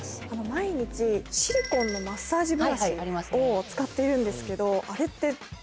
毎日シリコンのマッサージブラシを使っているんですけど。